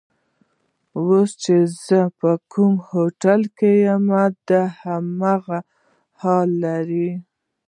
اوس چې زه په کوم هوټل کې یم دا هم همدغه حال لري.